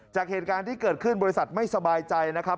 จากเหตุการณ์ที่เกิดขึ้นบริษัทไม่สบายใจนะครับ